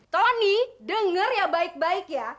tony dengar ya baik baik ya